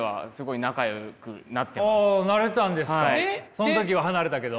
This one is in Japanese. その時は離れたけど。